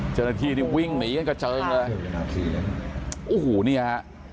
เจ้าหน้าที่นี่วิ่งหนีกันกระเจิงเลยโอ้โหเนี่ยฮะ